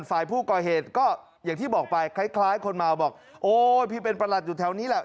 ฝ่ายผู้ก่อเหตุก็อย่างที่บอกไปคล้ายคนเมาบอกโอ๊ยพี่เป็นประหลัดอยู่แถวนี้แหละ